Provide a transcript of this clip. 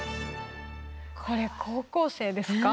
これ高校生ですか。